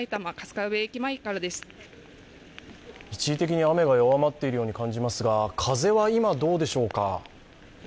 一時的に雨が弱まっているように感じますが、風は今どうでしょうか？